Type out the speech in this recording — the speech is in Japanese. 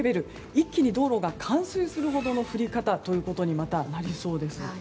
一気に道路が冠水するほどの降り方とまたなりそうです。